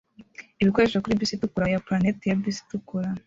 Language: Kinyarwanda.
ibikoresho kuri bisi itukura ya Planet ya bisi itukura